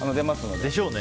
でしょうね。